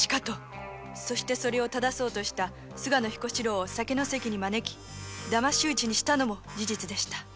それをただそうとした菅野彦四郎を酒の席に招きダマシ討ちにしたのも事実でした。